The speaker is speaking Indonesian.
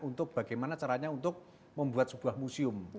untuk bagaimana caranya untuk membuat sebuah museum